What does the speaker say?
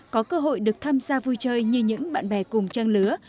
có cơ hội được tham gia vui chơi như những bạn bè cùng trang lứa